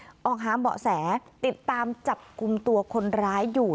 ออกหาเบาะแสติดตามจับกลุ่มตัวคนร้ายอยู่